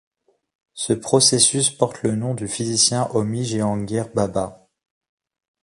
Ce processus porte le nom du physicien Homi Jehangir Bhabha.